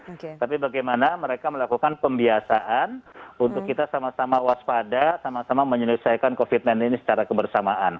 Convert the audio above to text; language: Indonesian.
tapi bagaimana mereka melakukan pembiasaan untuk kita sama sama waspada sama sama menyelesaikan covid sembilan belas ini secara kebersamaan